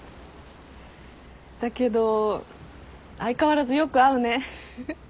だけど相変わらずよく会うね。